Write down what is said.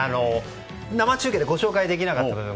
生中継でご紹介できなかった部分。